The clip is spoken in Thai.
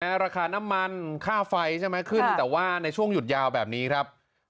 ราคาน้ำมันค่าไฟใช่ไหมขึ้นแต่ว่าในช่วงหยุดยาวแบบนี้ครับ